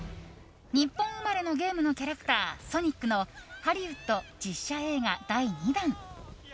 日本生まれのゲームのキャラクター、ソニックのハリウッド実写映画第２弾。